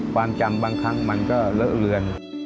ความจำบางครั้งมันก็เลอะเลือน